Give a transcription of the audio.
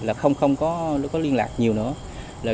là không có liên lạc nhiều nữa